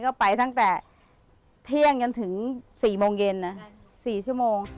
ก็ไปตั้งแต่เที่ยงจนถึง๔โมงเย็นนะ๔ชั่วโมง